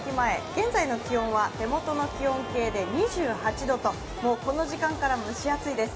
現在の気温は手元の気温計で２８度と、この時間から蒸し暑いです。